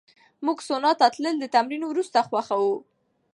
موږ سونا ته تلل د تمرین وروسته خوښوو.